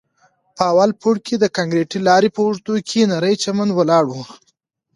په اول پوړ کښې د کانکريټي لارې په اوږدو کښې نرى چمن ولاړ و.